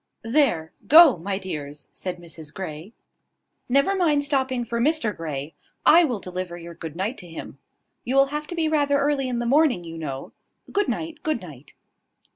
"There, go, my dears," said Mrs Grey. "Never mind stopping for Mr Grey. I will deliver your good night to him. You will have to be rather early in the morning, you know. Good night, good night."